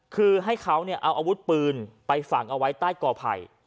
คือให้เขาเอาอาวุธปืนไปฝังเอาไว้ใต้กอไผ่